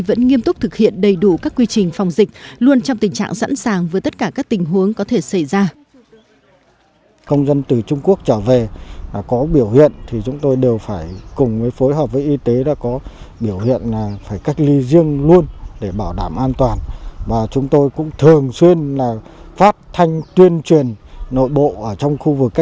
vẫn nghiêm túc thực hiện đầy đủ các quy trình phòng dịch luôn trong tình trạng sẵn sàng với tất cả